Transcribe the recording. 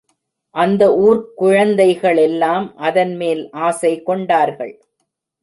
அந்த ஊர்க் குழந்தைகளெல்லாம் அதன்மேல் ஆசை கொண்டார்கள்.